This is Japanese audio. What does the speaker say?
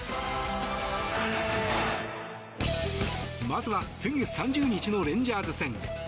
まずは先月３０日のレンジャーズ戦。